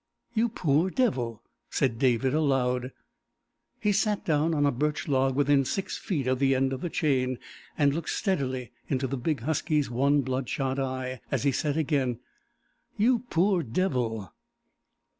"You poor devil!" said David aloud. He sat down on a birch log within six feet of the end of the chain, and looked steadily into the big husky's one bloodshot eye as he said again: "You poor devil!"